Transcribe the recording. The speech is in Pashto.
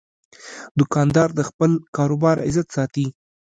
دوکاندار د خپل کاروبار عزت ساتي.